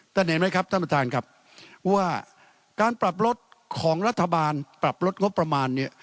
เห็นไหมครับท่านประธานครับว่าการปรับลดของรัฐบาลปรับลดงบประมาณเนี่ย